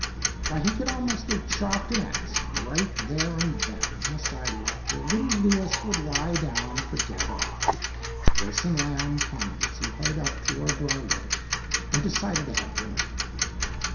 Why he could almost have chalked an "X" right there and then on the sidewalk where little Louis would lie down and forget it all. Wilson Lamb hummed as he headed up toward Broadway and decided to have dinner.